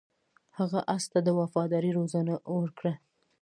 هغه اس ته د وفادارۍ روزنه ورکړه.